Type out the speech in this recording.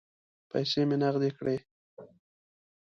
پیسې مې نغدې کړې.